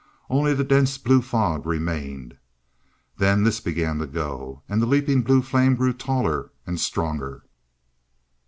Only the dense blue fog remained. Then this began to go, and the leaping blue flame grew taller, and stronger.